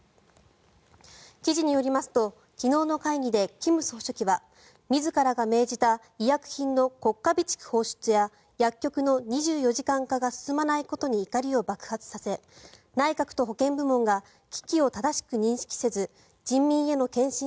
記事によりますと昨日の会議で金総書記は自らが命じた医薬品の国家備蓄放出や薬局の２４時間化が進まないことに怒りを爆発させ内閣と保健部門が危機を正しく認識せず人民への献身